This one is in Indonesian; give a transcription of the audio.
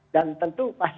dan tentu pasti akan berhasil